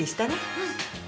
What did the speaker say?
うん。